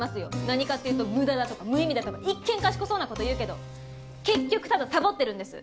何かっていうと「無駄」だとか「無意味」だとか一見賢そうなこと言うけど結局ただサボってるんです。